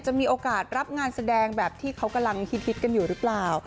มีโอกาสรับงานแสดงแบบที่เขากำลังฮิตกันอยู่หรือเปล่า